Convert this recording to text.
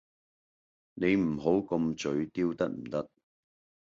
你唔好咁嘴刁得唔得？